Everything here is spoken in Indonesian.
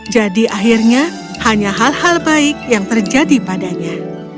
jadi akhirnya hanya hal hal baik yang terjadi padanya